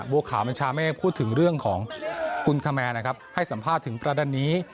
บัวขาวบัญชาเมฆพูดถึงเรื่องของคุณคแมนนะครับให้สัมภาษณ์ถึงประเด็นนี้